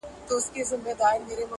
يو بين المللي کنفرانس جوړ شو